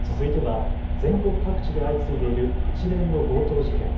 続いては全国各地で相次いでいる一連の強盗事件。